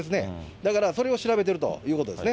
だから、それを調べてるということですね。